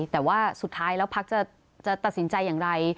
แต่ว่าสุดท้ายแล้วพักจะตัดสินใจอย่างไร